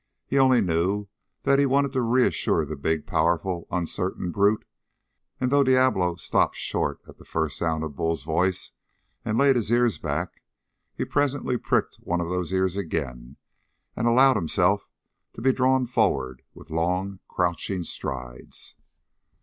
He only knew that he wanted to reassure the big, powerful, uncertain brute, and though Diablo stopped short at the first sound of Bull's voice and laid his ears back, he presently pricked one of those ears again and allowed himself to be drawn forward with long, crouching strides.